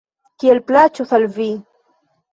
Kiel plaĉos al vi.